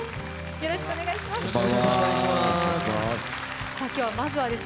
よろしくお願いします。